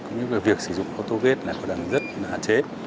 cũng như việc sử dụng autovet đang rất là hạn chế